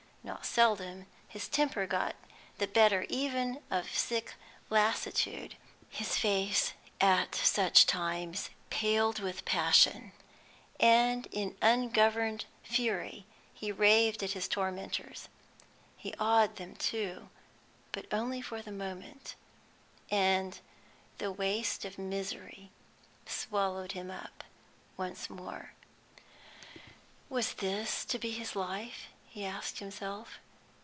Not seldom his temper got the better even of sick lassitude; his face at such times paled with passion, and in ungoverned fury he raved at his tormentors. He awed them, too, but only for the moment, and the waste of misery swallowed him up once more. Was this to be his life? he asked himself.